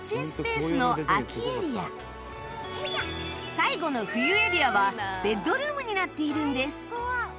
最後の冬エリアはベッドルームになっているんです